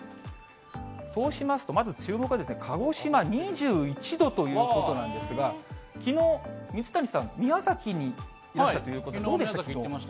そうしますと、まず注目は鹿児島２１度ということなんですが、きのう、水谷さん、宮崎にいらしたということで、きのう、宮崎行ってました。